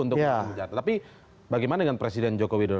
tapi bagaimana dengan presiden jokowi